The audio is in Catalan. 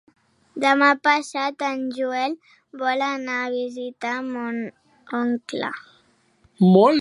Demà passat en Joel vol anar a visitar mon oncle.